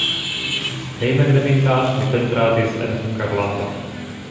Hejmenveninta li pentradis en Hungarlando.